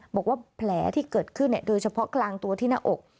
บอกว่าแผลที่เกิดขึ้นโดยเฉพาะกลางตัวที่หน้าอก